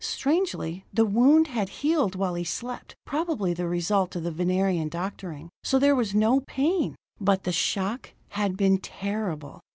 Strangely, the wound had healed while he slept, probably the result of the Venerian doctoring, so there was no pain: but the shock had been terrible.